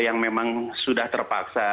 yang memang sudah terpaksa